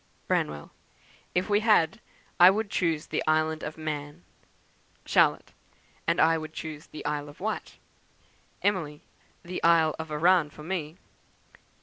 "Branwell. 'If we had I would choose the Island of Man.' "Charlotte. 'And I would choose the Isle of Wight.' "Emily. 'The Isle of Arran for me.'